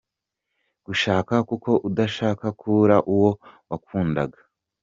Gushaka kuko udashaka kubura uwo wakundaga.